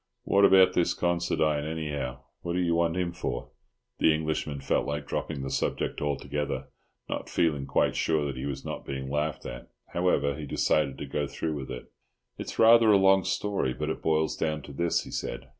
What about this Considine, anyhow? What do you want him for?" The Englishman felt like dropping the subject altogether, not feeling quite sure that he was not being laughed at. However, he decided to go through with it. "It's rather a long story, but it boils down to this," he said.